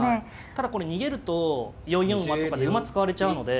ただこれ逃げると４四馬とかで馬使われちゃうので。